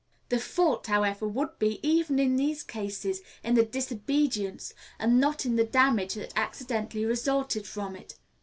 The fault, however, would be, even in these cases, in the disobedience, and not in the damage that accidentally resulted from it.